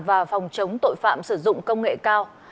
và phòng chống tội phạm sử dụng công nghệ cao